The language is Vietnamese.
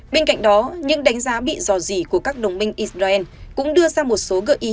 bên cạnh đó những đánh giá bị dò dỉ của các đồng minh israel cũng đưa ra một số gợi ý